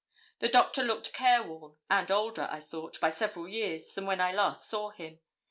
The Doctor looked careworn, and older, I thought, by several years, than when I last saw him.